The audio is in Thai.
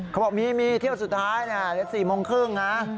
เขาบอกมีเที่ยวสุดท้าย๔โมงครึ่ง